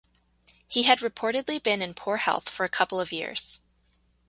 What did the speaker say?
He had reportedly been in poor health for a couple of years.